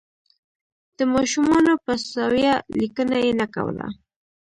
د ماشومانو په سویه لیکنه یې نه کوله.